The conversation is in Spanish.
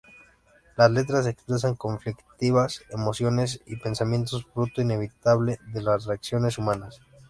Las letras expresan conflictivas emociones y pensamientos, fruto inevitable de las relaciones humanas.